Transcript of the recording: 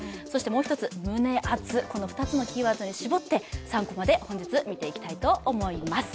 もう１つ、胸熱、この２つのキーワードに絞って３コマで本日見ていきたいと思います。